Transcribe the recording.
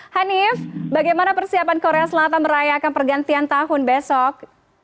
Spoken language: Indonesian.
hanif bagaimana persiapan korea selatan merayakan pergantian tahun besok